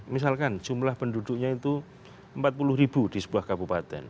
misalkan jumlah penduduknya itu empat puluh ribu di sebuah kabupaten